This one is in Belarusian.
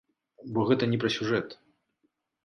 Бо гэта не пра сюжэт.